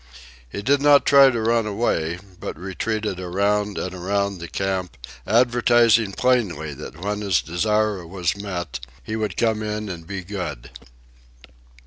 He did not try to run away, but retreated around and around the camp, advertising plainly that when his desire was met, he would come in and be good.